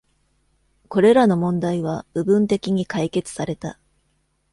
これらの問題は、部分的に解決された。